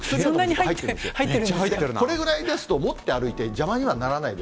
これぐらいですと、持って歩いて邪魔にはならないので。